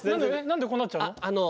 何でこうなっちゃうの？